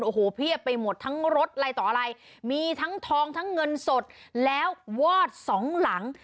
โอ้โหเพียบไปหมดทั้งรถอะไรต่ออะไรมีทั้งทองทั้งเงินสดแล้ววอดสองหลัง